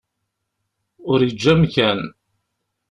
Ur yeǧǧi amkan.